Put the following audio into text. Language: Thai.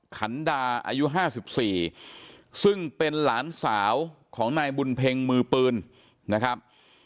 ขันดาอายุ๕๔ซึ่งเป็นหลานสาวของนายบุญเพ็งมือปืนนะครับ